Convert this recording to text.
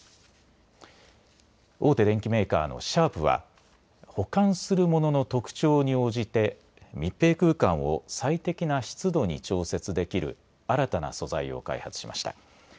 大手電機メーカーのシャープは保管するものの特徴に応じて密閉空間を最適な湿度に調節できる新たな素材を開発しました。